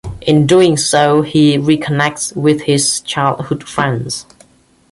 In doing so, he reconnects with his childhood friends.